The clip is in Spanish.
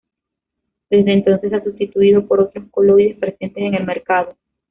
Desde entonces se ha sustituido por otros coloides presentes en el mercado.